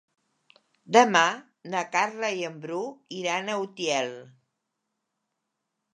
Demà na Carla i en Bru iran a Utiel.